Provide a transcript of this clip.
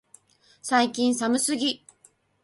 最近寒すぎ、